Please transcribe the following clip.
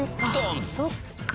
そっか！